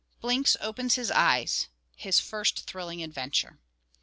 _Blinks opens his Eyes. His first thrilling Adventure.